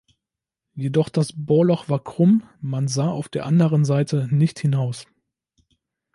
Jedoch das Bohrloch war krumm, man sah auf der anderen Seite nicht hinaus.